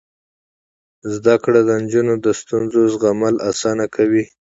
زده کړه د نجونو د ستونزو زغمل اسانه کوي.